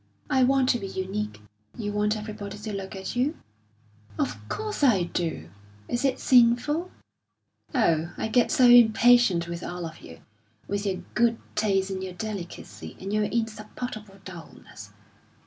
I want to be unique." "You want everybody to look at you?" "Of course I do! Is it sinful? Oh, I get so impatient with all of you, with your good taste and your delicacy, and your insupportable dulness.